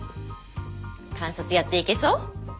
監察やっていけそう？